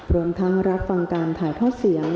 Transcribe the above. รวมทั้งรับฟังการถ่ายทอดเสียง